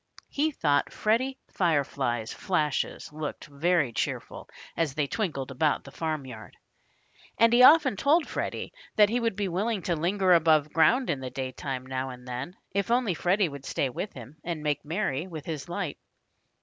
He thought Freddie Firefly's flashes looked very cheerful as they twinkled about the farmyard. And he often told Freddie that he would be willing to linger above ground in the daytime now and then, if only Freddie would stay with him and make merry with his light.